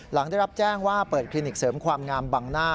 หลังได้รับแจ้งว่าเปิดคลินิกเสริมความงามบังหน้า